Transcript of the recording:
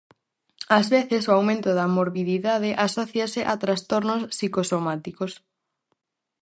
Ás veces o aumento de morbididade asóciase a trastornos psicosomáticos.